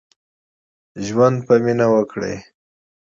ژوند په مينه وکړئ.